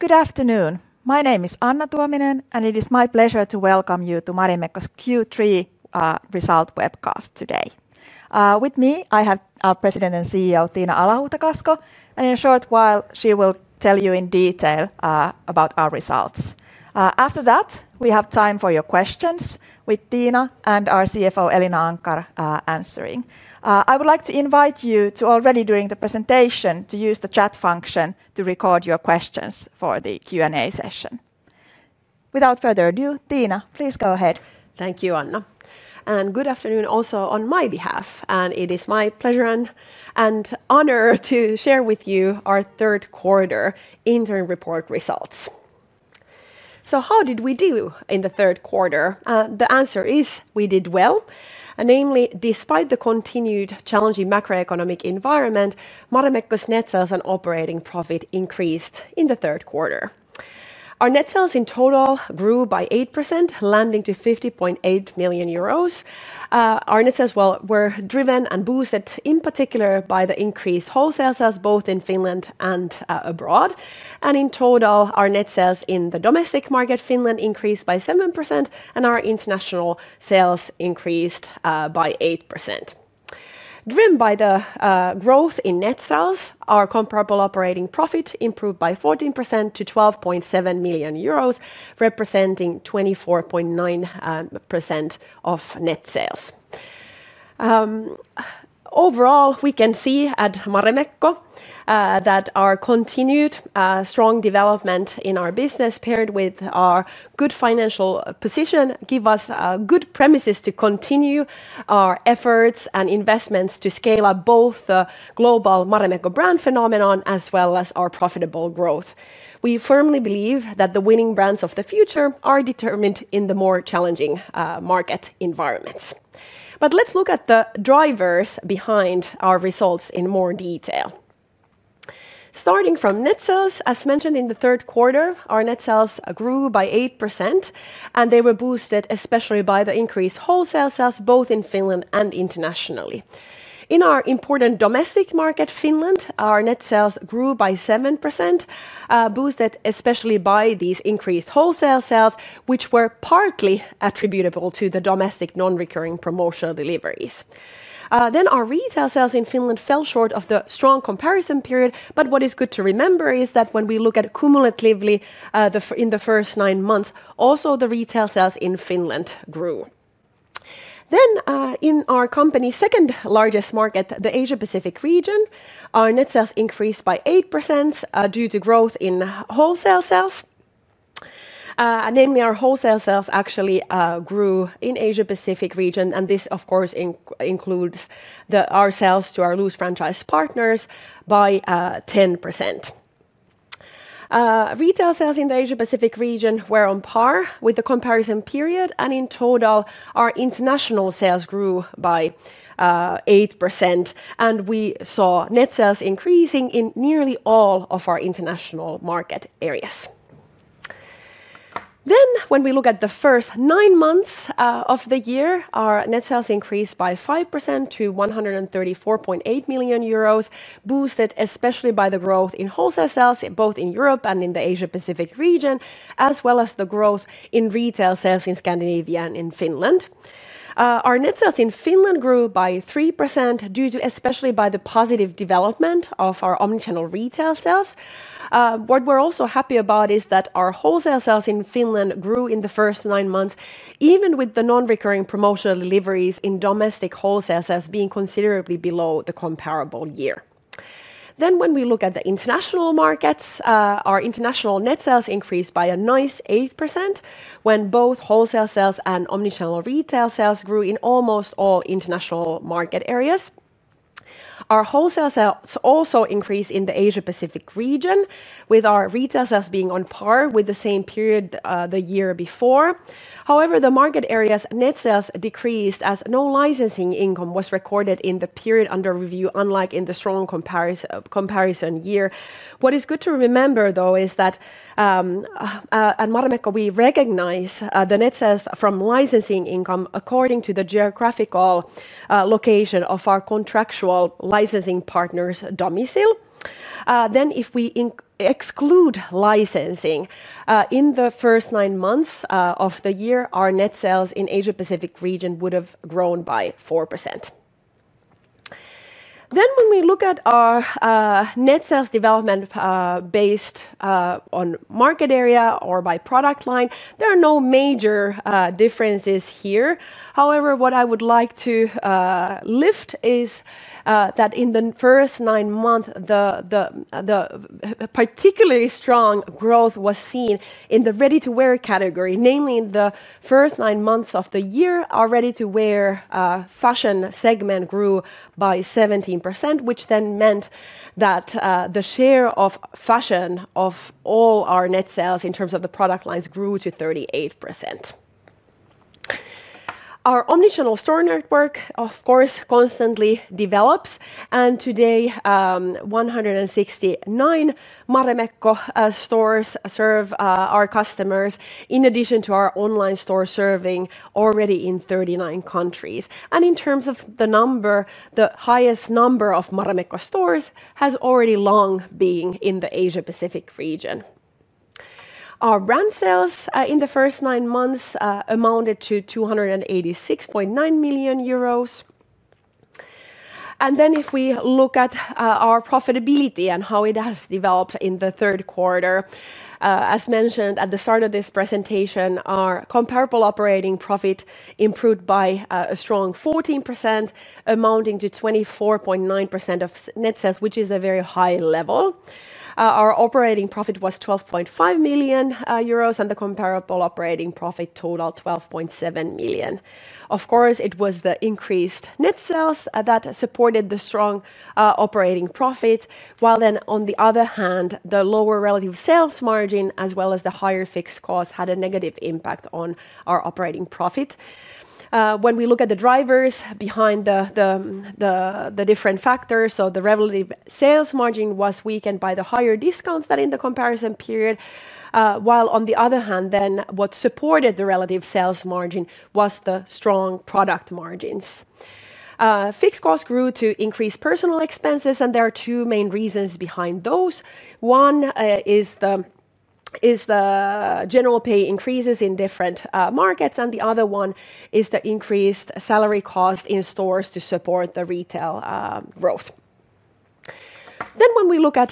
Good afternoon. My name is Anna Tuominen, and it is my pleasure to welcome you to Marimekko's Q3 Results Webcast today. With me, I have President and CEO Tiina Alahuhta-Kasko, and in a short while, she will tell you in detail about our results. After that, we have time for your questions, with Tiina and our CFO Elina Anckar answering. I would like to invite you to, already during the presentation, use the chat function to record your questions for the Q&A session. Without further ado, Tiina, please go ahead. Thank you, Anna. And good afternoon also on my behalf. It is my pleasure and honor to share with you our third-quarter interim report results. How did we do in the third quarter? The answer is we did well. Namely, despite the continued challenging macroeconomic environment, Marimekko's net sales and operating profit increased in the third quarter. Our net sales in total grew by 8%, landing at 50.8 million euros. Our net sales were driven and boosted in particular by the increased wholesale sales both in Finland and abroad. In total, our net sales in the domestic market, Finland, increased by 7%, and our international sales increased by 8%. Driven by the growth in net sales, our comparable operating profit improved by 14% to 12.7 million euros, representing 24.9% of net sales. Overall, we can see at Marimekko that our continued strong development in our business, paired with our good financial position, gives us good premises to continue our efforts and investments to scale up both the global Marimekko brand phenomenon as well as our profitable growth. We firmly believe that the winning brands of the future are determined in the more challenging market environments. But let's look at the drivers behind our results in more detail. Starting from net sales, as mentioned in the third quarter, our net sales grew by 8%, and they were boosted especially by the increased wholesale sales both in Finland and internationally. In our important domestic market, Finland, our net sales grew by 7%, boosted especially by these increased wholesale sales, which were partly attributable to the domestic non-recurring promotional deliveries. Then our retail sales in Finland fell short of the strong comparison period, but what is good to remember is that when we look at cumulatively in the first nine months, also the retail sales in Finland grew. Then in our company's second largest market, the Asia-Pacific region, our net sales increased by 8% due to growth in wholesale sales. Namely, our wholesale sales actually grew in the Asia-Pacific region, and this, of course, includes our sales to our loose franchise partners by 10%. Retail sales in the Asia-Pacific region were on par with the comparison period, and in total, our international sales grew by 8%, and we saw net sales increasing in nearly all of our international market areas. When we look at the first nine months of the year, our net sales increased by 5% to 134.8 million euros, boosted especially by the growth in wholesale sales both in Europe and in the Asia-Pacific region, as well as the growth in retail sales in Scandinavia and in Finland. Our net sales in Finland grew by 3%, especially due to the positive development of our omnichannel retail sales. What we're also happy about is that our wholesale sales in Finland grew in the first nine months, even with the non-recurring promotional deliveries in domestic wholesale sales being considerably below the comparable year. When we look at the international markets, our international net sales increased by a nice 8% when both wholesale sales and omnichannel retail sales grew in almost all international market areas. Our wholesale sales also increased in the Asia-Pacific region, with our retail sales being on par with the same period the year before. However, the market area's net sales decreased as no licensing income was recorded in the period under review, unlike in the strong comparison year. What is good to remember, though, is that at Marimekko we recognize the net sales from licensing income according to the geographical location of our contractual licensing partner's domicile. And then if we exclude licensing, in the first nine months of the year, our net sales in the Asia-Pacific region would have grown by 4%. When we look at our net sales development based on market area or by product line, there are no major differences here. However, what I would like to lift is that in the first nine months, particularly strong growth was seen in the ready-to-wear category. Namely, in the first nine months of the year, our ready-to-wear fashion segment grew by 17%, which then meant that the share of fashion of all our net sales in terms of the product lines grew to 38%. Our omnichannel store network, of course, constantly develops, and today 169 Marimekko stores serve our customers in addition to our online store serving already in 39 countries. In terms of the number, the highest number of Marimekko stores has already long been in the Asia-Pacific region. Our brand sales in the first nine months amounted to 286.9 million euros. And then if we look at our profitability and how it has developed in the third quarter, as mentioned at the start of this presentation, our comparable operating profit improved by a strong 14%, amounting to 24.9% of net sales, which is a very high-level. Our operating profit was 12.5 million euros and the comparable operating profit totaled 12.7 million. Of course it was the increased net sales that supported the strong operating profit, while on the other hand, the lower relative sales margin as well as the higher fixed costs had a negative impact on our operating profit. When we look at the drivers behind the different factors, the relative sales margin was weakened by the higher discounts than in the comparison period. While on the other hand, what supported the relative sales margin was the strong product margins. Fixed costs grew due to increased personnel expenses, and there are two main reasons behind those. One is the general pay increases in different markets, and the other one is the increased salary cost in stores to support the retail growth. And then when we look at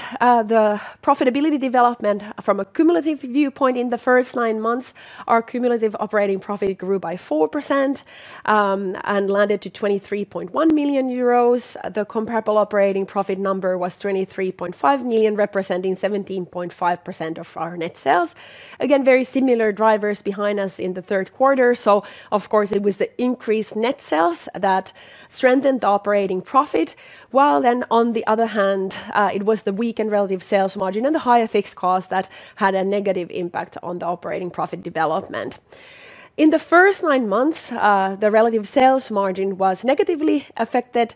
the profitability development from a cumulative viewpoint in the first nine months, our cumulative operating profit grew by 4% and landed at 23.1 million euros. The comparable operating profit number was 23.5 million, representing 17.5% of our net sales. Again, very similar drivers behind us in the third quarter. So of course it was the increased net sales that strengthened the operating profit, while on the other hand, it was the weakened relative sales margin and the higher fixed costs that had a negative impact on the operating profit development. In the first nine months, the relative sales margin was negatively affected,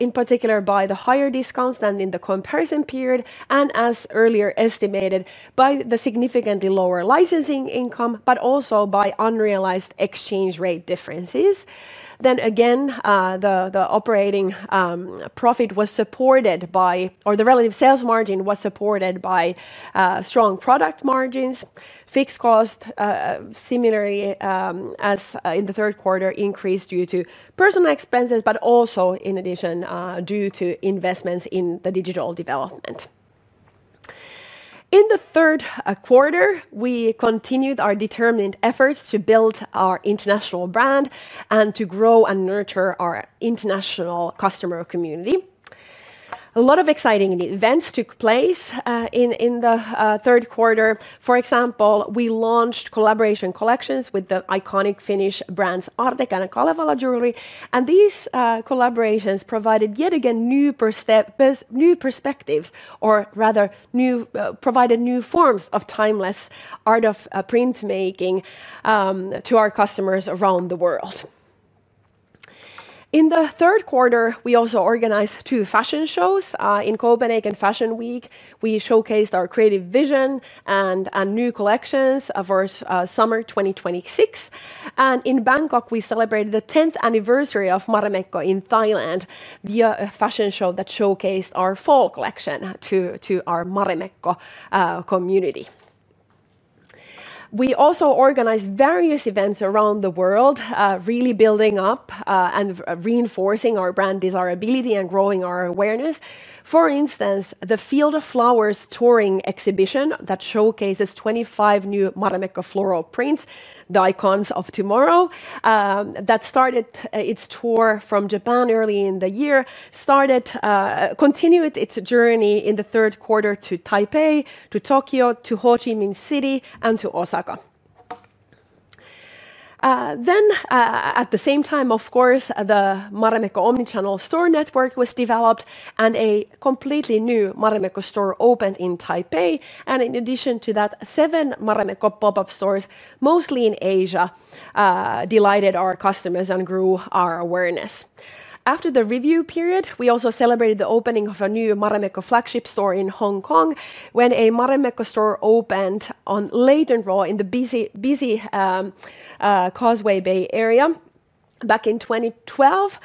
in particular by the higher discounts than in the comparison period, and as earlier estimated, by the significantly lower licensing income, but also by unrealized exchange rate differences. Then again the operating profit was supported by, or the relative sales margin was supported by, strong product margins. Fixed costs, similarly as in the third quarter, increased due to personnel expenses, but also in addition due to investments in digital development. In the third quarter, we continued our determined efforts to build our international brand and to grow and nurture our international customer community. A lot of exciting events took place in the third quarter. For example, we launched collaboration collections with the iconic Finnish brands Artek and Kalevala Jewelry. These collaborations provided yet again new perspectives, or rather, provided new forms of timeless art of printmaking to our customers around the world. In the third quarter, we also organized two fashion shows. In Copenhagen Fashion Week, we showcased our creative vision and new collections for summer 2026. In Bangkok, we celebrated the 10th anniversary of Marimekko in Thailand via a fashion show that showcased our fall collection to our Marimekko community. We also organized various events around the world, really building up and reinforcing our brand desirability and growing our awareness. For instance, the Field of Flowers Touring Exhibition that showcases 25 new Marimekko floral prints, the icons of tomorrow, started its tour from Japan early in the year, continued its journey in the third quarter to Taipei, to Tokyo, to Ho Chi Minh City, and to Osaka. At the same time, of course, the Marimekko omnichannel store network was developed and a completely new Marimekko store opened in Taipei. In addition to that, seven Marimekko pop-up stores, mostly in Asia, delighted our customers and grew our awareness. After the review period, we also celebrated the opening of a new Marimekko flagship store in Hong Kong when a Marimekko store opened on Leighton Road in the busy Causeway Bay area back in 2012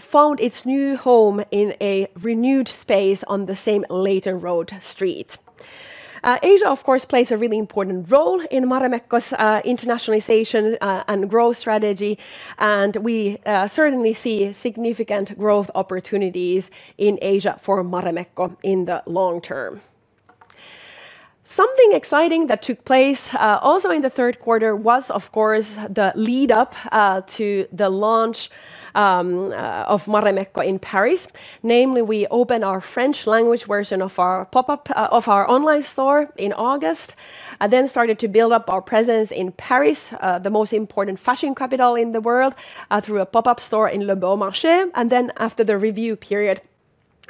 found its new home in a renewed space on the same Leighton Road street. Asia, of course, plays a really important role in Marimekko's internationalization and growth strategy, and we certainly see significant growth opportunities in Asia for Marimekko in the long term. Something exciting that took place also in the third quarter was, of course, the lead-up to the launch of Marimekko in Paris. Namely, we opened our French-language version of our online store in August and then started to build up our presence in Paris, the most important fashion capital in the world, through a pop-up store in Le Bon Marché. After the review period,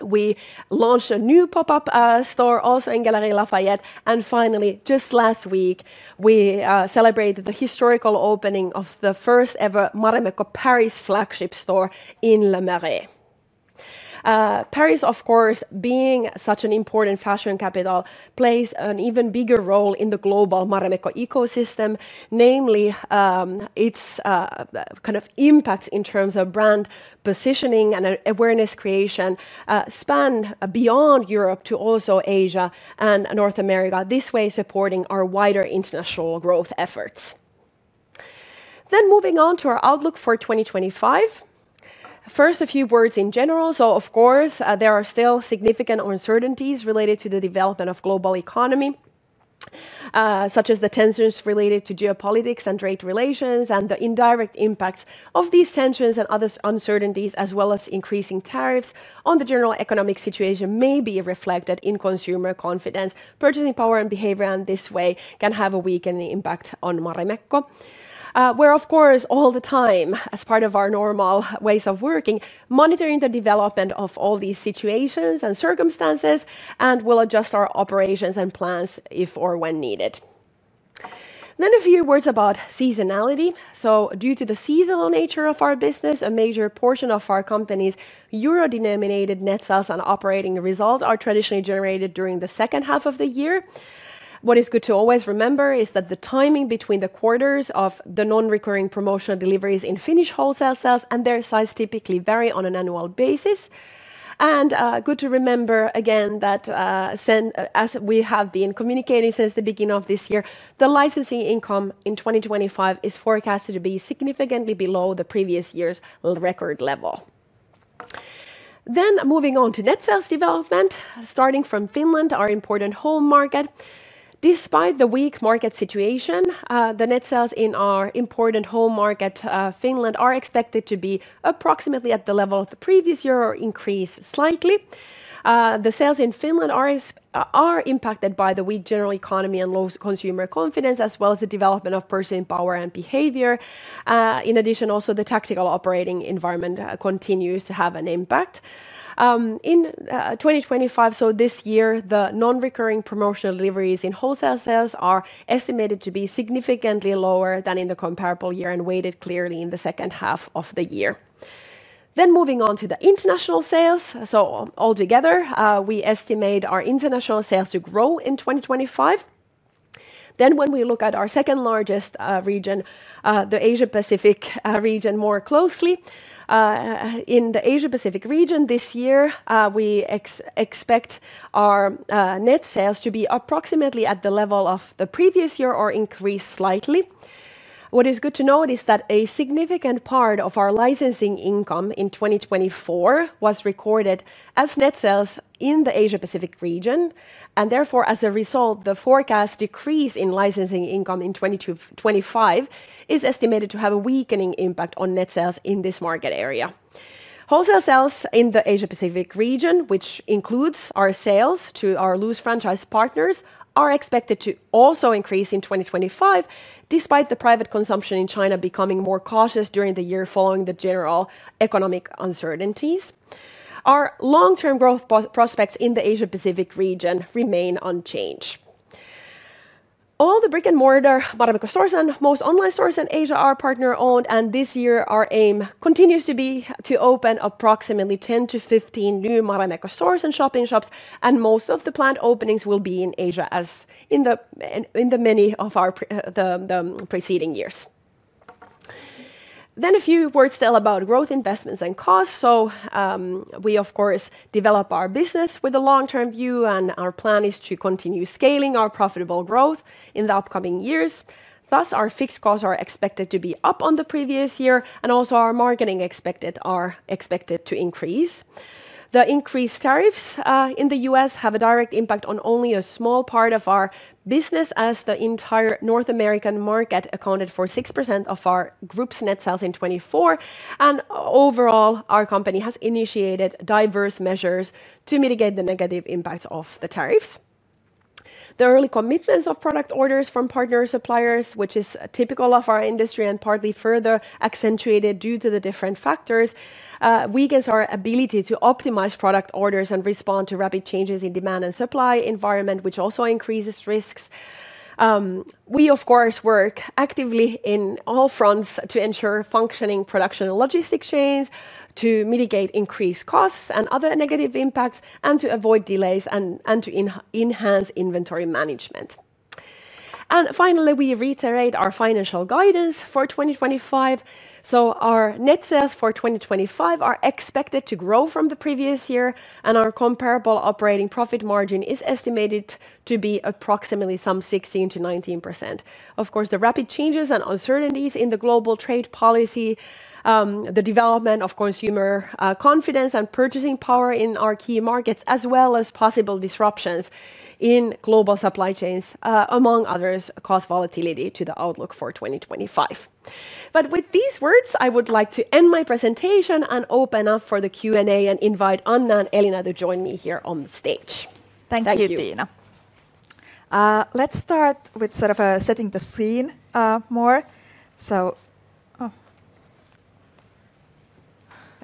we launched a new pop-up store also in Galeries Lafayette. Finally, just last week, we celebrated the historical opening of the first-ever Marimekko Paris flagship store in Le Marais. Paris, of course, being such an important fashion capital, plays an even bigger role in the global Marimekko ecosystem. Namely, its kind of impact in terms of brand positioning and awareness creation spanned beyond Europe to also Asia and North America, this way supporting our wider international growth efforts. Then moving on to our outlook for 2025. First, a few words in general. Of course, there are still significant uncertainties related to the development of the global economy. Such as the tensions related to geopolitics and trade relations, and the indirect impacts of these tensions and other uncertainties, as well as increasing tariffs on the general economic situation, may be reflected in consumer confidence, purchasing power, and behavior, and this way can have a weakening impact on Marimekko. We're, of course, all the time, as part of our normal ways of working, monitoring the development of all these situations and circumstances and will adjust our operations and plans if or when needed. Then a few words about seasonality. So due to the seasonal nature of our business, a major portion of our company's euro-denominated net sales and operating result are traditionally generated during the second half of the year. What is good to always remember is that the timing between the quarters of the non-recurring promotional deliveries in Finnish wholesale sales and their size typically vary on an annual basis. And good to remember again that, as we have been communicating since the beginning of this year, the licensing income in 2025 is forecasted to be significantly below the previous year's record level. Then moving on to net sales development, starting from Finland, our important home market. Despite the weak market situation, the net sales in our important home market, Finland, are expected to be approximately at the level of the previous year or increase slightly. The sales in Finland are impacted by the weak general economy and low consumer confidence, as well as the development of purchasing power and behavior. In addition, also the tactical operating environment continues to have an impact. In 2025, this year, the non-recurring promotional deliveries in wholesale sales are estimated to be significantly lower than in the comparable year and weighted clearly in the second half of the year. Then moving on to the international sales. So altogether, we estimate our international sales to grow in 2025. Then when we look at our second largest region, the Asia-Pacific region more closely. In the Asia-Pacific region this year, we expect our net sales to be approximately at the level of the previous year or increase slightly. What is good to note is that a significant part of our licensing income in 2024 was recorded as net sales in the Asia-Pacific region. And therefore, as a result, the forecast decrease in licensing income in 2025 is estimated to have a weakening impact on net sales in this market area. Wholesale sales in the Asia-Pacific region, which includes our sales to our loose franchise partners, are expected to also increase in 2025, despite the private consumption in China becoming more cautious during the year following the general economic uncertainties. Our long-term growth prospects in the Asia-Pacific region remain unchanged. All the brick-and-mortar Marimekko stores and most online stores in Asia are partner-owned, and this year our aim continues to be to open approximately 10 to 15 new Marimekko stores and shopping shops, and most of the planned openings will be in Asia as in the many of our preceding years. A few words still about growth, investments, and costs. We, of course, develop our business with a long-term view, and our plan is to continue scaling our profitable growth in the upcoming years. Thus, our fixed costs are expected to be up on the previous year, and also our marketing expected to increase. The increased tariffs in the U.S. have a direct impact on only a small part of our business, as the entire North American market accounted for 6% of our group's net sales in 2024. Overall, our company has initiated diverse measures to mitigate the negative impacts of the tariffs. The early commitments of product orders from partner suppliers, which is typical of our industry and partly further accentuated due to the different factors, weakens our ability to optimize product orders and respond to rapid changes in demand and supply environment, which also increases risks. We, of course, work actively in all fronts to ensure functioning production and logistics chains, to mitigate increased costs and other negative impacts, to avoid delays, and to enhance inventory management. And finally, we reiterate our financial guidance for 2025. So our net sales for 2025 are expected to grow from the previous year, and our comparable operating profit margin is estimated to be approximately some 16%-19%. Of course, the rapid changes and uncertainties in the global trade policy. The development of consumer confidence and purchasing power in our key markets, as well as possible disruptions in global supply chains, among others, cause volatility to the outlook for 2025. But with these words, I would like to end my presentation and open up for the Q&A and invite Anna and Elina to join me here on the stage. Thank you, Tiina. Let's start with sort of setting the scene more.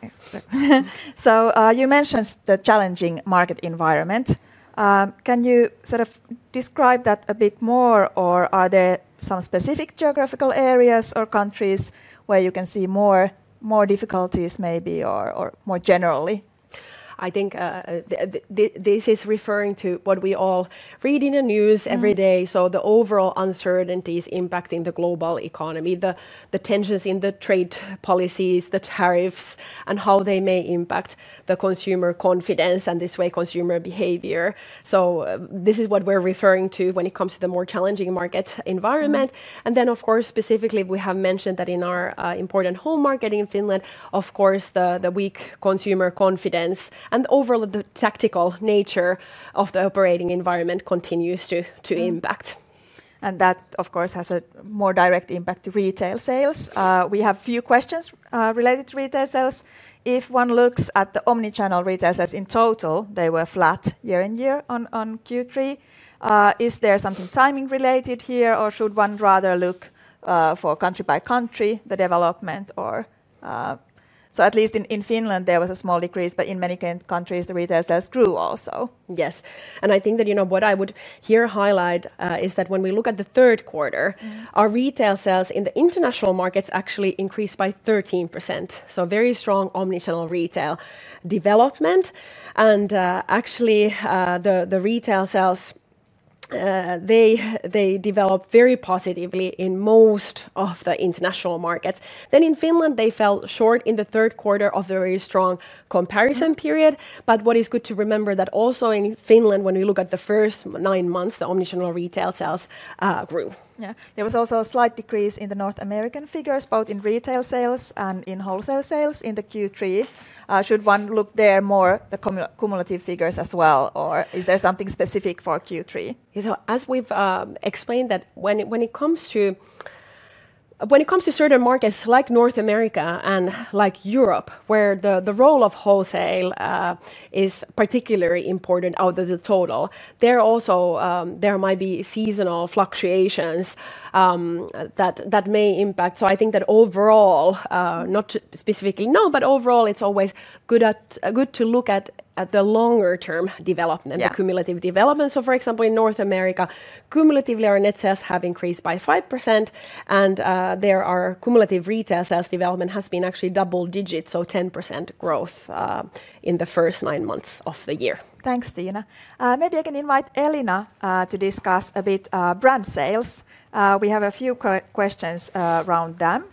You mentioned the challenging market environment. Can you sort of describe that a bit more, or are there some specific geographical areas or countries where you can see more difficulties maybe, or more generally? I think this is referring to what we all read in the news every day. The overall uncertainties impacting the global economy, the tensions in the trade policies, the tariffs, and how they may impact the consumer confidence and this way consumer behavior. So this is what we're referring to when it comes to the more challenging market environment. And then of course, specifically, we have mentioned that in our important home market in Finland, of course the weak consumer confidence and overall the tactical nature of the operating environment continues to impact. That, of course, has a more direct impact to retail sales. We have a few questions related to retail sales. If one looks at the omnichannel retail sales in total, they were flat year in year on Q3. Is there something timing-related here, or should one rather look for country-by-country the development or so at least in Finland, there was a small decrease, but in many countries, the retail sales grew also. Yes. And I think that what I would here highlight is that when we look at the third quarter, our retail sales in the international markets actually increased by 13%. So very strong omnichannel retail development. Actually, the retail sales they developed very positively in most of the international markets. And in Finland, they fell short in the third quarter of the very strong comparison period. But what is good to remember is that also in Finland, when we look at the first nine months, the omnichannel retail sales grew. Yes. There was also a slight decrease in the North American figures, both in retail sales and in wholesale sales in the Q3. Should one look there more, the cumulative figures as well, or is there something specific for Q3? As we've explained that when it comes to certain markets like North America and like Europe, where the role of wholesale is particularly important out of the total, there also might be seasonal fluctuations that may impact. So I think that overall, not specifically now, but overall, it's always good to look at the longer-term development, the cumulative development. For example, in North America, cumulatively, our net sales have increased by 5%, and there our cumulative retail sales development has been actually double-digit, so 10% growth in the first nine months of the year. Thanks, Tiina. Maybe I can invite Elina to discuss a bit brand sales. We have a few questions around them.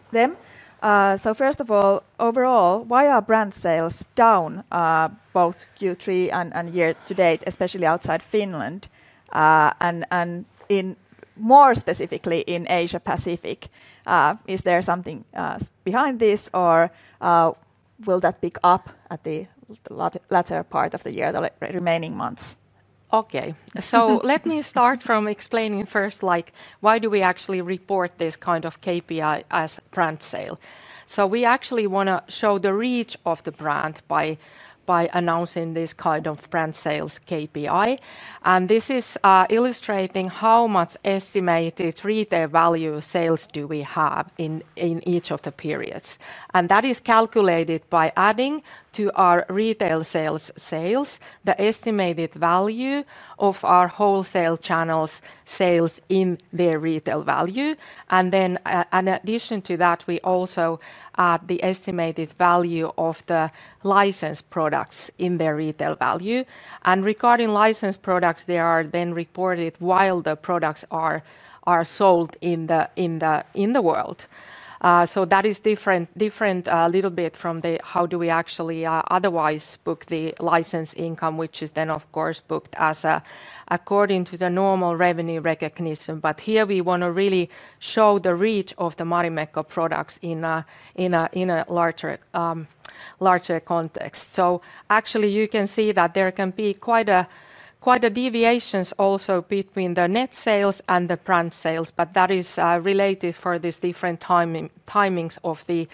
So first of all, overall, why are brand sales down, both Q3 and year-to-date, especially outside Finland, and in more specifically in Asia-Pacific? Is there something behind this, or will that pick up at the latter part of the year, the remaining months? Okay. So let me start from explaining first, why do we actually report this kind of KPI as brand sale? We actually want to show the reach of the brand by announcing this kind of brand sales KPI. This is illustrating how much estimated retail value sales do we have in each of the periods. That is calculated by adding to our retail sales the estimated value of our wholesale channels sales in their retail value. And then in addition to that, we also add the estimated value of the licensed products in their retail value. And regarding licensed products, they are then reported while the products are sold in the world. That is different a little bit from how do we actually otherwise book the licensing income, which is then, of course, booked according to the normal revenue recognition. But here we want to really show the reach of the Marimekko products in a larger context. So actually you can see that there can be quite a deviation also between the net sales and the brand sales, but that is related for these different timings of the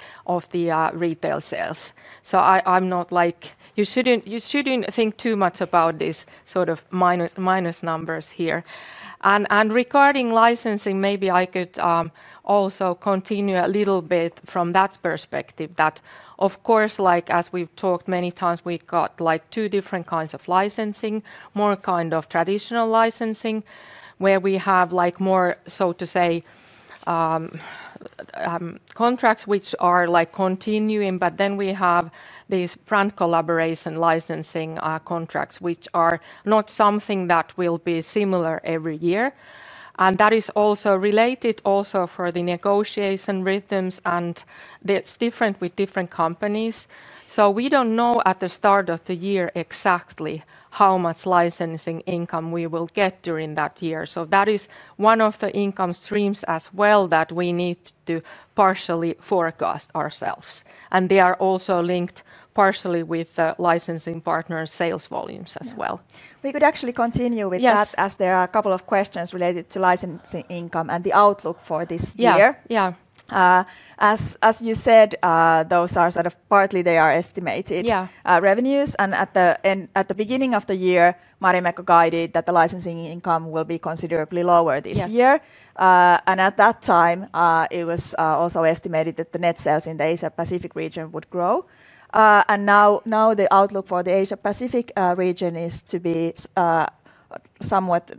retail sales. So I'm not like you shouldn't think too much about these sort of minus numbers here. And regarding licensing, maybe I could also continue a little bit from that perspective that, of course, like as we've talked many times, we've got two different kinds of licensing, more kind of traditional licensing, where we have more, so to say, contracts which are like continuing, but then we have these brand collaboration licensing contracts, which are not something that will be similar every year. And that is also related to the negotiation rhythms, and it's different with different companies. We don't know at the start of the year exactly how much licensing income we will get during that year. That is one of the income streams as well that we need to partially forecast ourselves. They are also linked partially with the licensing partner sales volumes as well. We could actually continue with that as there are a couple of questions related to licensing income and the outlook for this year. Yeah. As you said, those are sort of partly estimated revenues. At the beginning of the year, Marimekko guided that the licensing income will be considerably lower this year. At that time, it was also estimated that the net sales in the Asia-Pacific region would grow. Now the outlook for the Asia-Pacific region is to be somewhat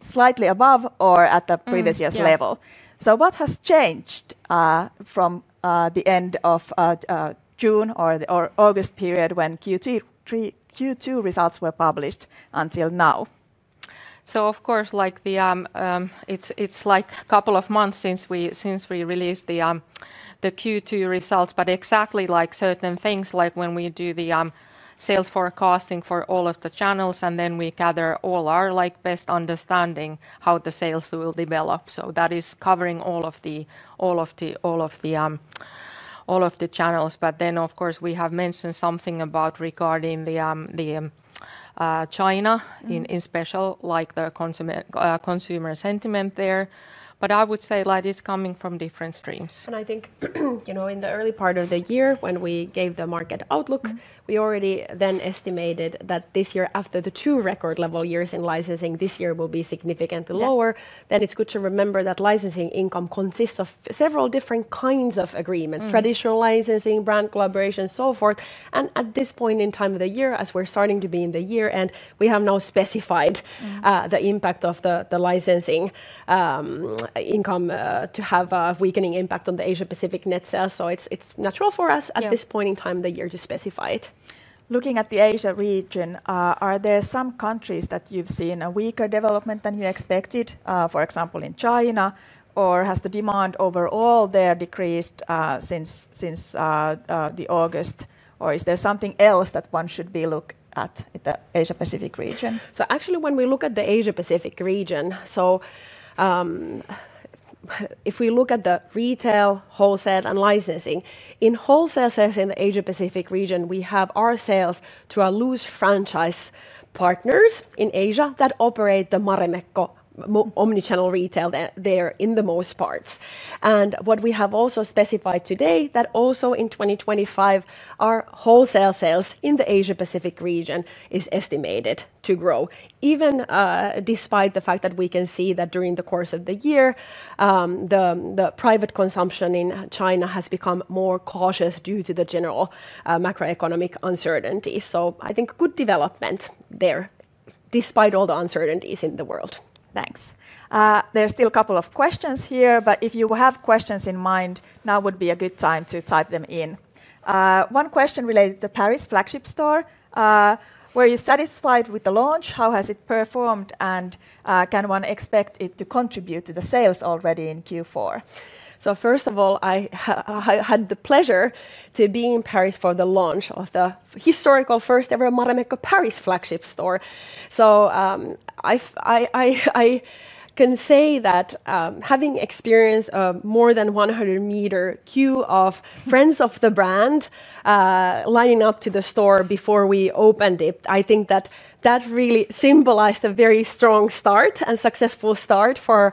slightly above or at the previous year's level. What has changed from the end of June or August period when Q2 results were published until now? So, of course, it's a couple of months since we released the Q2 results, but exactly like certain things, like when we do the sales forecasting for all of the channels, and then we gather all our best understanding how the sales will develop. That is covering all of the channels. But then of course, we have mentioned something regarding China in special, like the consumer sentiment there. I would say it's coming from different streams. I think in the early part of the year, when we gave the market outlook, we already then estimated that this year, after the two record-level years in licensing, this year will be significantly lower. It's good to remember that licensing income consists of several different kinds of agreements: traditional licensing, brand collaboration, and so forth. And at this point in time of the year, as we're starting to be in the year-end, we have now specified the impact of the licensing income to have a weakening impact on the Asia-Pacific net sales. So it's natural for us at this point in time of the year to specify it. Looking at the Asia region, are there some countries that you've seen a weaker development than you expected, for example, in China? Has the demand overall there decreased since the August? Or is there something else that one should be looking at in the Asia-Pacific region? So actually, when we look at the Asia-Pacific region, so. If we look at the retail, wholesale, and licensing, in wholesale sales in the Asia-Pacific region, we have our sales to our loose franchise partners in Asia that operate the Marimekko omnichannel retail there in the most parts. And what we have also specified today is that also in 2025, our wholesale sales in the Asia-Pacific region is estimated to grow, even despite the fact that we can see that during the course of the year, the private consumption in China has become more cautious due to the general macroeconomic uncertainty. So I think good development there despite all the uncertainties in the world. Thanks. There's still a couple of questions here, but if you have questions in mind, now would be a good time to type them in. One question related to Paris Flagship Store. Were you satisfied with the launch? How has it performed? And can one expect it to contribute to the sales already in Q4? First of all, I had the pleasure to be in Paris for the launch of the historical first-ever Marimekko Paris Flagship Store. So I can say that having experienced a more than 100-meter queue of friends of the brand lining up to the store before we opened it, I think that that really symbolized a very strong start and successful start for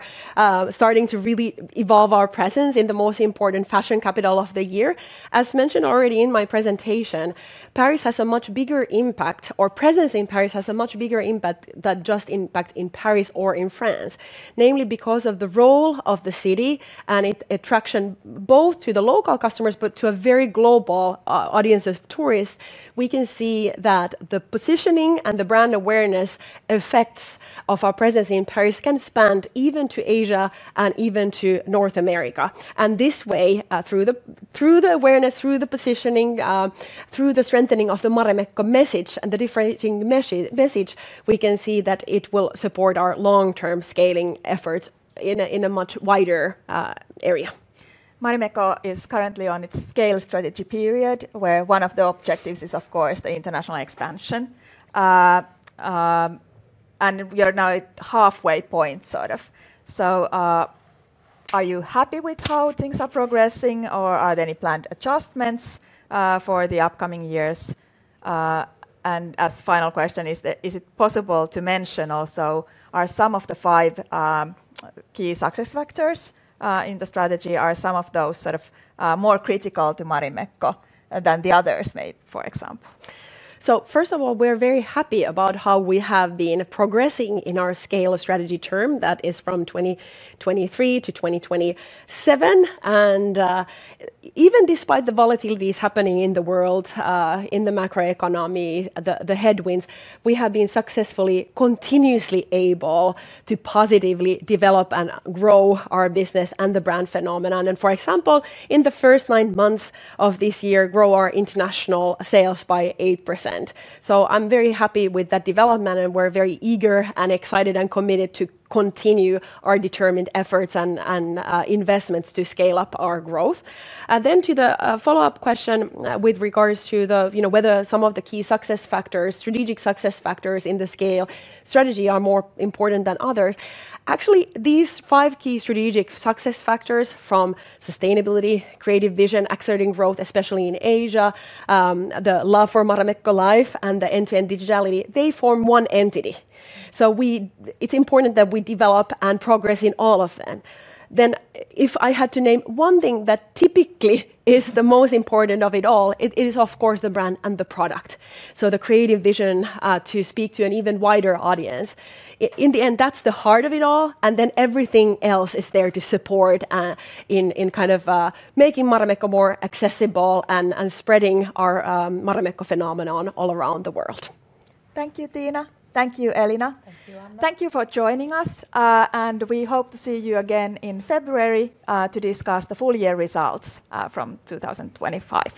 starting to really evolve our presence in the most important fashion capital of the year. As mentioned already in my presentation, Paris has a much bigger impact, or presence in Paris has a much bigger impact than just impact in Paris or in France, namely because of the role of the city and its attraction both to the local customers, but to a very global audience of tourists. We can see that the positioning and the brand awareness effects of our presence in Paris can expand even to Asia and even to North America. And this way, through the awareness, through the positioning, through the strengthening of the Marimekko message and the differentiating message, we can see that it will support our long-term scaling efforts in a much wider area. Marimekko is currently on its scale strategy period, where one of the objectives is, of course, the international expansion. And we are now at halfway point, sort of. So are you happy with how things are progressing, or are there any planned adjustments for the upcoming years? And as final question, is it possible to mention also, are some of the five key success factors in the strategy, are some of those sort of more critical to Marimekko than the others maybe, for example? So first of all, we're very happy about how we have been progressing in our scale strategy term that is from 2023-2027. Even despite the volatilities happening in the world, in the macroeconomy, the headwinds, we have been successfully continuously able to positively develop and grow our business and the brand phenomenon. For example, in the first nine months of this year, grow our international sales by 8%. I'm very happy with that development, and we're very eager and excited and committed to continue our determined efforts and investments to scale up our growth. And then to follow-up question with regards to whether some of the key success factors, strategic success factors in the scale strategy, are more important than others, actually, these five key strategic success factors from sustainability, creative vision, accelerating growth especially in Asia, the love for Marimekko Life, and the NTN digitality, they form one entity. So we it's important that we develop and progress in all of them. If I had to name one thing that typically is the most important of it all, it is, of course, the brand and the product. So the creative vision to speak to an even wider audience, in the end, that's the heart of it all. And then everything else is there to support in kind of making Marimekko more accessible and spreading our Marimekko phenomenon all around the world. Thank you, Tiina. Thank you, Elina. Thank you for joining us. We hope to see you again in February to discuss the full year results from 2025.